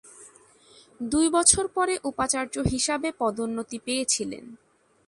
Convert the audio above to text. দুই বছর পরে উপাচার্য হিসাবে পদোন্নতি পেয়েছিলেন।